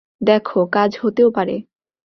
দেখো, কাজ হতেও পারে।